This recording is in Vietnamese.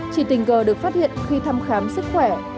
chỉ tình cờ được phát hiện khi thăm khám sức khỏe